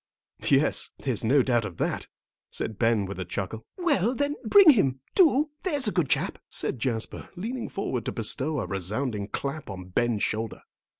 "Yes, there's no doubt of that," said Ben, with a chuckle. "Well, then bring him. Do, there's a good chap," said Jasper, leaning forward to bestow a resounding clap on Ben's shoulder.